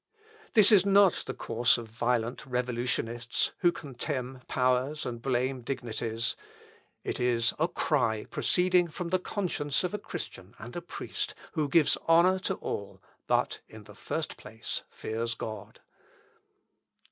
This is not the course of violent revolutionists, who contemn powers and blame dignities. It is a cry proceeding from the conscience of a Christian and a priest, who gives honour to all, but in the first place fears God.